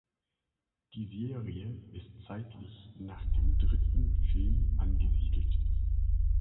Die Serie ist zeitlich nach dem dritten Film angesiedelt.